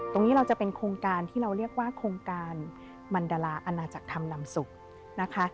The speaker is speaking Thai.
ตรงนี้เราจะเป็นโครงการที่เราเรียกว่าโครงการมันดาราอาณาจักรธรรมนำสุขนะคะ